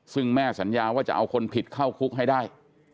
ซึ่งแม่สัญญาว่าจะเอาคนผิดเข้าคุกให้ได้